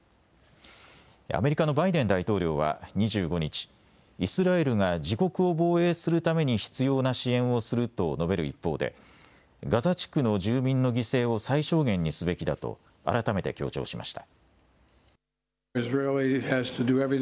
アメリカのバイデン大統領は２５日イスラエルが自国を防衛するために必要な支援をすると述べる一方でガザ地区の住民の犠牲を最小限にすべきだと改めて強調しました。